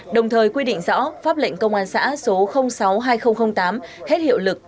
đồng thời quy định rõ pháp lệnh công an xã số sáu hai nghìn tám hết hiệu lực